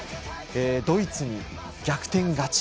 ドイツに逆転勝ち。